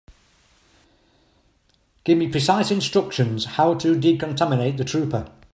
Give me precise instructions how to decontaminate the trooper.